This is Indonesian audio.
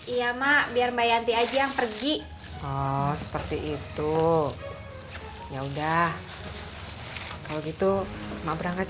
iya mak biar mbak yanti aja yang pergi seperti itu ya udah kalau gitu mak berangkat